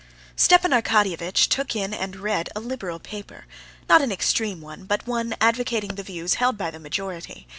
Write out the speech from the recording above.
Stepan Arkadyevitch took in and read a liberal paper, not an extreme one, but one advocating the views held by the majority.